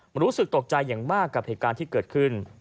รู้สึกตกใจอย่างมากกับเหตุการณ์ที่เกิดขึ้น